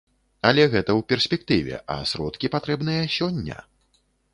Але гэта ў перспектыве, а сродкі патрэбныя сёння.